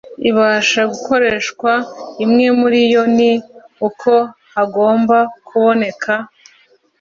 ibasha gukoreshwa Imwe muri yo ni uko hagomba kuboneka